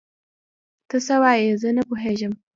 ته څه وايې؟ زه نه پوهيږم.